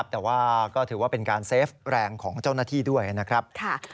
แต่ว่าก็ถือว่าเป็นการเซฟแรงของเจ้าหน้าที่ด้วยนะครับ